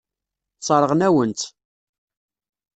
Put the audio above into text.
Sseṛɣen-awen-tt.